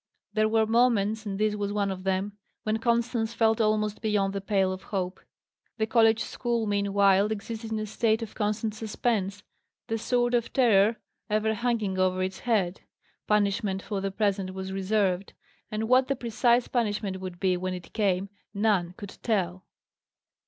There were moments, and this was one of them, when Constance felt almost beyond the pale of hope. The college school, meanwhile existed in a state of constant suspense, the sword of terror ever hanging over its head. Punishment for the present was reserved; and what the precise punishment would be when it came, none could tell.